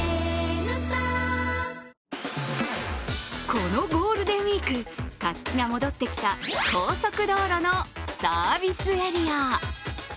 このゴールデンウイーク、活気が戻ってきた高速道路のサービスエリア。